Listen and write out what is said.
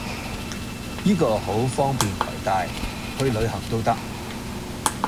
依個好方便携帶，去旅行都得